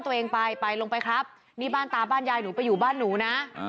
โทษแล้วลงไปบ้านตัวเองนี่จะตามบ้านยายหนูตามไปบ้านหนูนะ